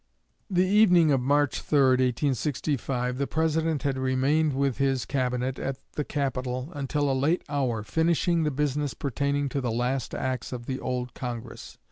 The evening of March 3, 1865, the President had remained with his Cabinet at the Capitol until a late hour, finishing the business pertaining to the last acts of the old Congress.